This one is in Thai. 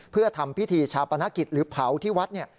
เพื่อทำพิธีชาปนกิจหรือเผาที่วัด